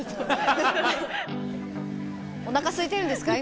おなかすいてるんですか？